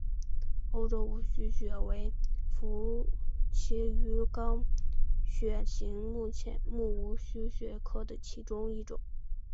欧洲无须鳕为辐鳍鱼纲鳕形目无须鳕科的其中一种。